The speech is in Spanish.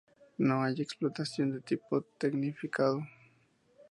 No hay explotación de tipo tecnificado.